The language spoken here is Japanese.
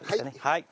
はい。